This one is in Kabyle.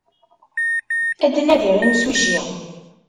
Ad d-nadiɣ imsujji.